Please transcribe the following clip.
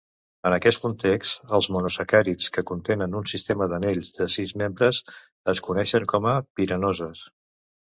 En aquest context, els monosacàrids que contenen un sistema d'anells de sis membres es coneixen com a piranoses.